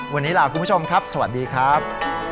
วันนี้ลาคุณผู้ชมครับสวัสดีครับ